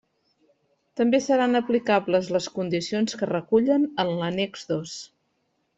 També seran aplicables les condicions que es recullen en l'annex dos.